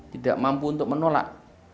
tidak mampu untuk menolak